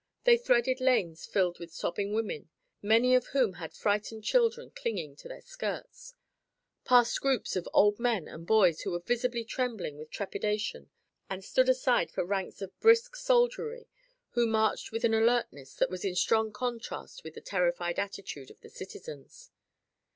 They threaded lanes filled with sobbing women, many of whom had frightened children clinging to their skirts, passed groups of old men and boys who were visibly trembling with trepidation and stood aside for ranks of brisk soldiery who marched with an alertness that was in strong contrast with the terrified attitude of the citizens.